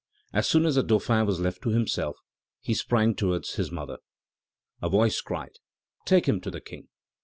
As soon as the Dauphin was left to himself, he sprang towards his mother. A voice cried: "Take him to the King!